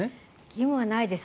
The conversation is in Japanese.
義務はないです。